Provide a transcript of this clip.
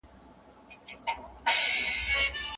خاطرې مو د ژوند د کتاب پاڼې دي.